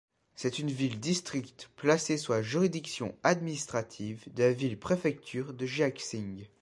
C'est une ville-district placée sous la juridiction administrative de la ville-préfecture de Jiaxing.